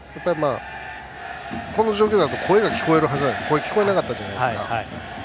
この状況だと声が聞こえるんですけど声が聞こえなかったじゃないですか。